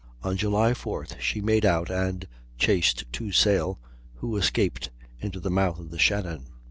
On July 4th she made out and chased two sail, who escaped into the mouth of the Shannon.